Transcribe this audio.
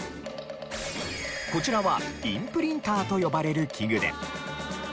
こちらはインプリンターと呼ばれる器具で。